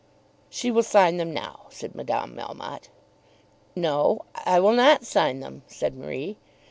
"She will sign them now," said Madame Melmotte. "No; I will not sign them," said Marie.